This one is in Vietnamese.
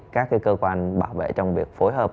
các cơ quan bảo vệ trong việc phối hợp